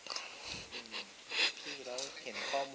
พี่แล้วเห็นข้อมูลไหมว่า